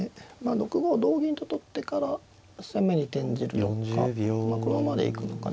６五同銀と取ってから攻めに転じるのかこのままで行くのかね。